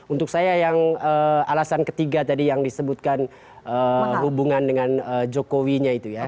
untuk saya yang alasan ketiga tadi yang disebutkan hubungan dengan jokowinya itu ya